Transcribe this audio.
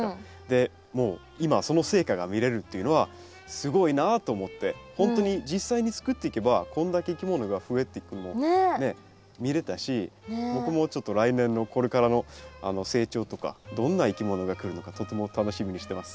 でもう今その成果が見れるっていうのはすごいなと思ってほんとに実際に作っていけばこんだけいきものが増えていくのをね見れたし僕もちょっと来年のこれからの成長とかどんないきものが来るのかとても楽しみにしてます。